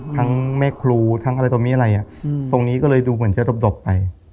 แม่ครูทั้งอะไรตรงนี้อะไรตรงนี้ก็เลยดูเหมือนจะดบไป